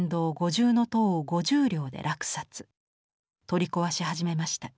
取り壊し始めました。